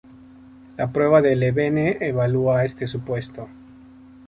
La prueba de Levene evalúa este supuesto.